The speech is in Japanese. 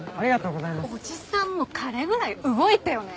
おじさんも彼ぐらい動いてよね！